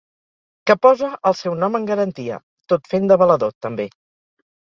Que posa el seu nom en garantia, tot fent de valedor, també.